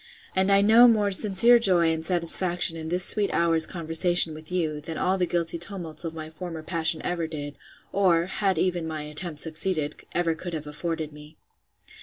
And I know more sincere joy and satisfaction in this sweet hour's conversation with you, than all the guilty tumults of my former passion ever did, or (had even my attempts succeeded) ever could have afforded me.